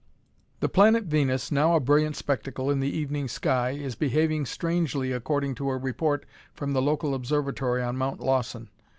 "The planet Venus, now a brilliant spectacle in the evening sky, is behaving strangely according to a report from the local observatory on Mount Lawson.